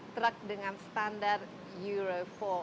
truck dengan standar euro empat